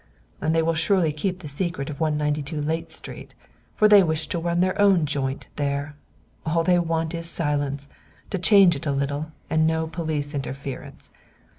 "And they will surely keep the secret of 192 Layte Street, for they wish to run their own 'joint' there. All they want is silence, to change it a little, and no police interference.